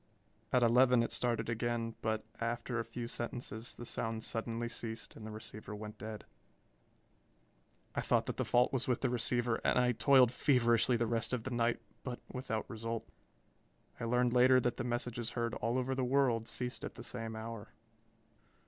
At eleven it started again but after a few sentences the sound suddenly ceased and the receiver went dead. I thought that the fault was with the receiver and I toiled feverishly the rest of the night, but without result. I learned later that the messages heard all over the world ceased at the same hour.